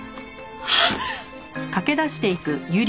あっ！